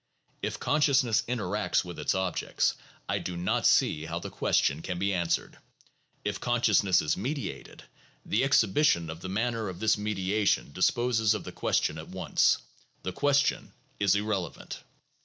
If consciousness interacts with its objects, I do not see how the question can be answered. If consciousness is mediated, the exhibition of the manner of this mediation disposes of the question at once; the question is irrelevant.